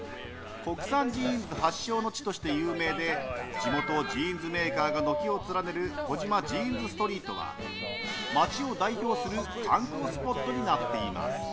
国産ジーンズ発祥の地として有名で地元をジーンズメーカーが軒を連ねる児島ジーンズストリートは町を代表する観光スポットになっています。